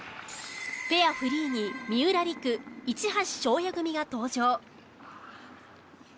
ペアフリーに三浦璃来市橋翔哉組が登場。